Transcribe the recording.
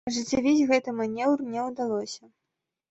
Ажыццявіць гэты манеўр не ўдалося.